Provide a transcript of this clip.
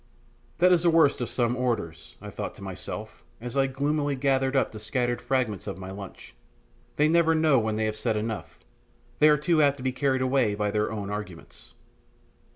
That is the worst of some orators, I thought to myself, as I gloomily gathered up the scattered fragments of my lunch; they never know when they have said enough, and are too apt to be carried away by their own arguments.